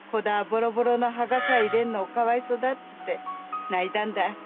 ボロボロの墓さ入れるのかわいそうだっつって泣いたんだ。